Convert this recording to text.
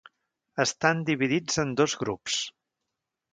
Estan dividits en dos grups.